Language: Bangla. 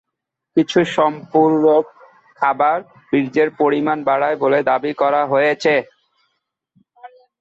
কিছু সম্পূরক খাবার বীর্যের পরিমাণ বাড়ায় বলে দাবি করা হয়েছে।